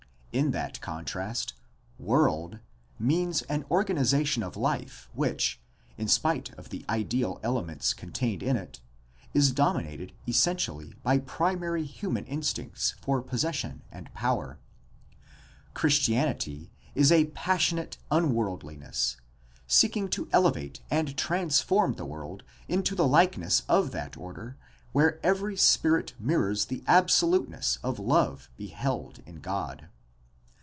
In that contrast "world" means an organization of life which, in spite of the 329 330 GUIDE TO STUDY OF CHRISTIAN RELIGION ideal elements contained in it, is dominated essentially by pri mary human instincts for possession and power. Christianity is a "passionate unworldliness " seeking to elevate and trans form the world into the likeness of that order where every spirit mirrors the absoluteness of love beheld in God.